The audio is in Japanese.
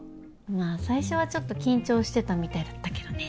まあ最初はちょっと緊張してたみたいだったけどね